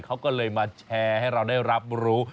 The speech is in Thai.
เขาก็เลยมาแชร์ให้เราได้รับรู้